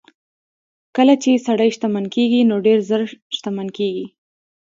کله چې سړی شتمن کېږي نو ډېر ژر شتمن کېږي.